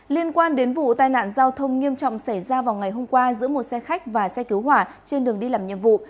liên quan đến vụ tai nạn giao thông nghiêm trọng xảy ra vào ngày hôm qua giữa một xe khách và xe cứu hỏa trên đường đi làm nhiệm vụ